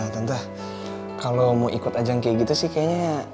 tentu kalau mau ikut ajang kayak gitu sih kayaknya